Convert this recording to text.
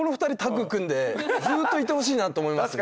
ずっといてほしいなって思いますね。